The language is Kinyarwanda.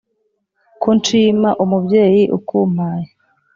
Ko nshima umubyeyi ukumpaye